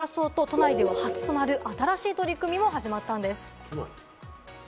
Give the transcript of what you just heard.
さらなる移住者を増やそうと、都内では初となる新しい取り組みも始まったんです。